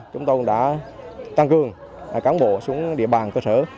chúng tôi cũng đã tăng cường cán bộ xuống địa bàn cơ sở